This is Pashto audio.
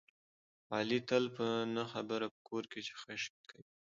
علي تل په نه خبره په کور کې خشکې کوي.